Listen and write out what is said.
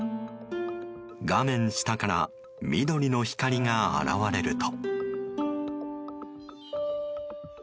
画面下から緑の光が現れると。